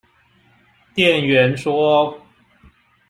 店員說